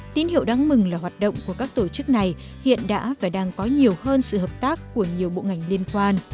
tín hiệu đáng mừng là hoạt động của các tổ chức này hiện đã và đang có nhiều hơn sự hợp tác của nhiều bộ ngành liên quan